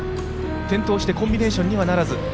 転倒してコンビネーションにはならず。